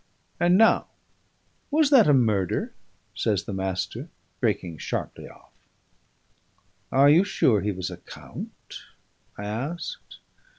And now, was that a murder?" says the Master, breaking sharply off. "Are you sure he was a count?" I asked.